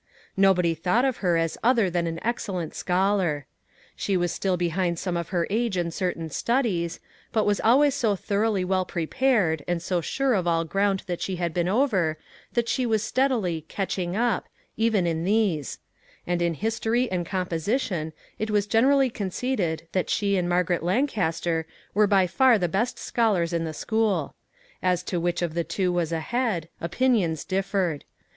Nobody thought of her as other than an excellent scholar. She was still behind some of her age in certain studies, but was always so thoroughly well prepared, and so sure of all ground that she had been over that she was steadily " catching up," even in these ; and in history and composition it was generally conceded that she and Margaret Lancaster were by far the best scholars in the school. As to which of the two was ahead, opinions differed.